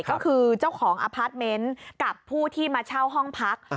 ก็คือเจ้าของอพาร์ทเมนต์กับผู้ที่มาเช่าห้องพัก